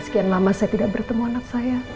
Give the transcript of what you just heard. sekian lama saya tidak bertemu anak saya